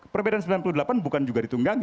perbedaan sembilan puluh delapan bukan juga ditunggangi